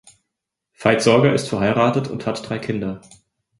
Veit Sorger ist verheiratet und hat drei Kinder.